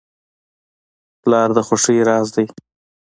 پلار د خوښۍ راز دی.